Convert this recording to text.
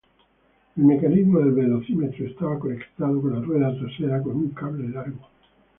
El mecanismo del velocímetro estaba conectado con la rueda trasera, con un cable largo.